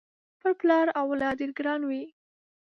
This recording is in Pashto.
پر پلار اولاد ډېر ګران وي